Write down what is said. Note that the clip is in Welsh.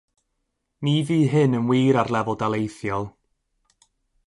Ni fu hyn yn wir ar lefel daleithiol.